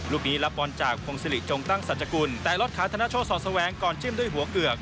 ลูกนี้รับบอลจากพงศิริจงตั้งสัจกุลแต่รถขาธนโชสอดแสวงก่อนจิ้มด้วยหัวเกือก